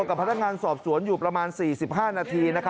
กับพระธรรมการสอบสวนอยู่ประมาณ๔๕นาที